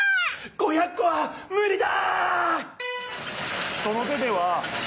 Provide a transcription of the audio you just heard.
５００こはむりだ！